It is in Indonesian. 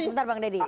sebentar bang deddy